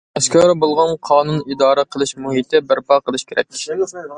ئاشكارا بولغان قانۇن ئىدارە قىلىش مۇھىتى بەرپا قىلىش كېرەك.